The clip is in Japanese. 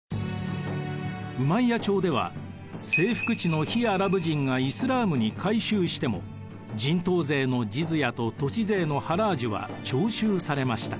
ウマイヤ朝では征服地の非アラブ人がイスラームに改宗しても人頭税のジズヤと土地税のハラージュは徴収されました。